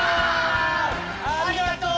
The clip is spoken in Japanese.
ありがとう！